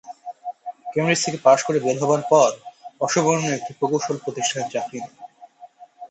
Cambridge থেকে পাশ করে বের হবার পর অসবর্ন একটি প্রকৌশল প্রতিষ্ঠানে চাকরি নেন।